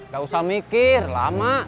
gak usah mikir lama